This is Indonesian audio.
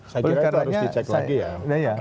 saya kira itu harus dicek lagi ya